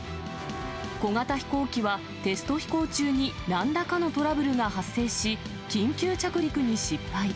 小型飛行機はテスト飛行中に、なんらかのトラブルが発生し、緊急着陸に失敗。